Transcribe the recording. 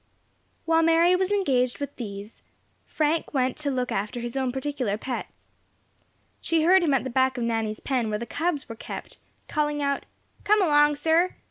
While Mary was engaged with these, Frank went to look after his own particular pets. She heard him at the back of Nanny's pen, where the cubs were kept, calling out, "Come along, sir!"